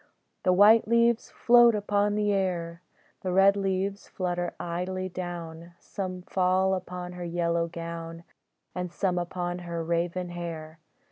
The white leaves float upon the air, The red leaves flutter idly down, Some fall upon her yellow gown, And some upon her raven hair.